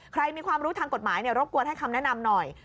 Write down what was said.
มีความรู้ทางกฎหมายรบกวนให้คำแนะนำหน่อย